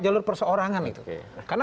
jalur perseorangan karena